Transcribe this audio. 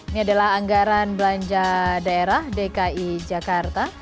ini adalah anggaran belanja daerah dki jakarta